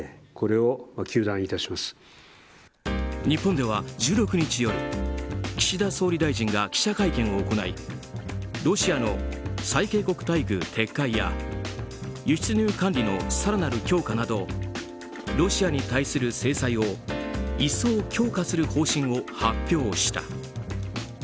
日本では１６日夜岸田総理大臣が記者会見を行いロシアの最恵国待遇撤回や輸出入管理の更なる強化などロシアに対する制裁を一層強化する方針を発表した。